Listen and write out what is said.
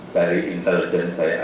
dari intelijen saya ada